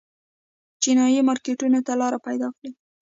چینايي مارکېټونو ته لار پیدا کړي.